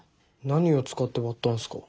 何を使って割ったんすか？